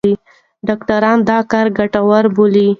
ډاکټران دا کار ګټور بولي.